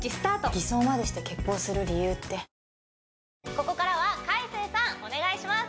ここからは海青さんお願いします